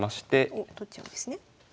おっ取っちゃうんですね。